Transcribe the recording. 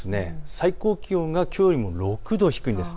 最高気温がきょうよりも６度低いんです。